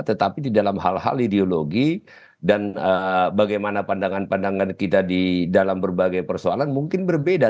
tetapi di dalam hal hal ideologi dan bagaimana pandangan pandangan kita di dalam berbagai persoalan mungkin berbeda